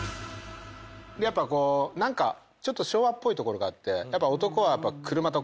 やっぱこう何かちょっと昭和っぽいところがあって。